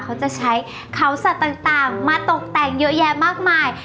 เขาจะใช้เขาสัตว์ต่างมาตกแต่งเยอะแยะมากมาย